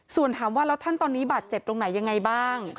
ส่วนถามว่าแล้วท่านตอนนี้บาดเจ็บตรงไหนยังไงบ้าง